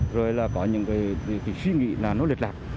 rồi là có những suy nghĩ là nó lịch lạc